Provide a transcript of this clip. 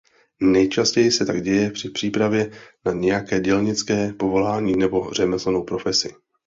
Nejčastěji se tak děje při přípravě na nějaké dělnické povolání nebo řemeslnou profesi.